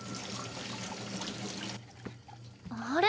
あれ？